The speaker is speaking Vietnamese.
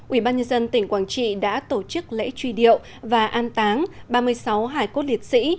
ủy ban nhân dân tỉnh quảng trị đã tổ chức lễ truy điệu và an táng ba mươi sáu hải cốt liệt sĩ